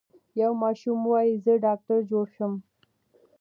یو ماشوم وايي زه ډاکټر جوړ شم.